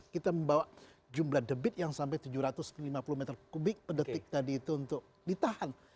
kita membawa jumlah debit yang sampai tujuh ratus lima puluh meter kubik per detik tadi itu untuk ditahan